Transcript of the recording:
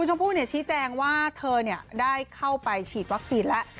คุณชมผู้เนี่ยชี้แจงว่าเธอเนี่ยได้เข้าไปฉีดวัคซีนแล้ว